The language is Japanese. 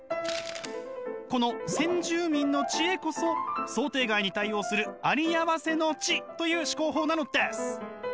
この先住民の知恵こそ想定外に対応するありあわせの知という思考法なのです！